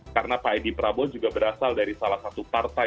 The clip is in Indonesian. karena pak edi prabowo juga berasal dari salah satu kota